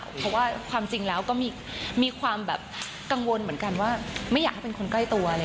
เพราะว่าความจริงแล้วก็มีความแบบกังวลเหมือนกันว่าไม่อยากให้เป็นคนใกล้ตัว